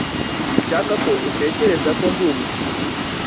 Sinshaka ko utekereza ko ndi umuswa